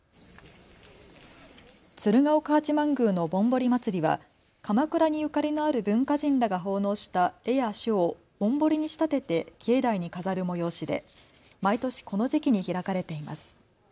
鶴岡八幡宮のぼんぼり祭は鎌倉にゆかりのある文化人らが奉納した絵や書をぼんぼりに仕立てて境内に飾る催しで毎年、この時期に開かれています。